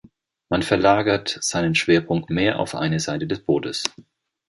Man verlagert seinen Schwerpunkt mehr auf eine Seite des Bootes.